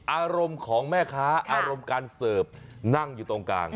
อารมณ์ของแม่ค้าอารมณ์การเสิร์ฟนั่งอยู่ตรงกลาง